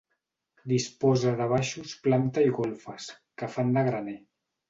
Disposa de baixos, planta i golfes, que fan de graner.